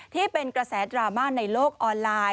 ที่เป็นกระแสดราม่าในโลกออนไลน์